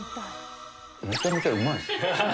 めちゃめちゃうまいです。